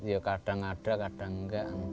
ya kadang ada kadang enggak